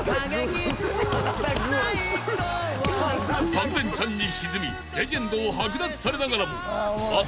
［３レンチャンに沈みレジェンドを剥奪されながらも］